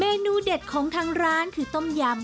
เนนูเด็ดของทางร้านคือต้มยำ